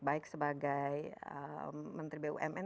baik sebagai menteri bumn